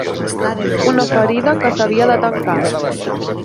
Una ferida que s’havia de tancar.